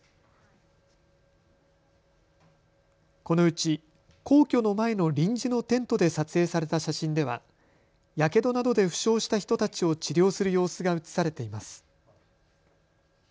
このうち皇居の前の臨時のテントで撮影された写真ではやけどなどで負傷した人たちを治療する様子が写されています。